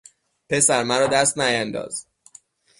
پسر مرا دست نیانداز!